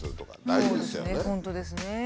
本当ですね。